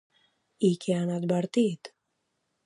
I què han advertit?